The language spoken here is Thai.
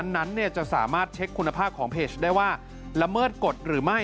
นั้นจะสามารถเช็คคุณภาพของเพจได้ว่าละเมิดกฎหรือไม่